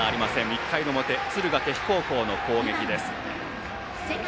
１回表、敦賀気比高校の攻撃。